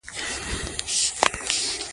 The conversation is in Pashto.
خپل ماشومان په ملي روحيه وروزئ.